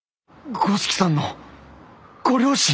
五色さんのご両親？